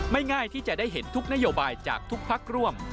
ง่ายที่จะได้เห็นทุกนโยบายจากทุกพักร่วม